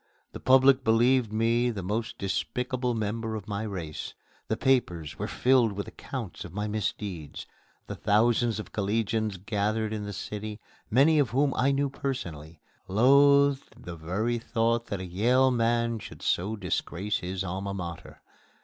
The public believed me the most despicable member of my race. The papers were filled with accounts of my misdeeds. The thousands of collegians gathered in the city, many of whom I knew personally, loathed the very thought that a Yale man should so disgrace his Alma Mater.